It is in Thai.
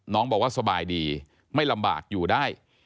น้องบอกว่าสบายดีไม่ลำบากอยู่ได้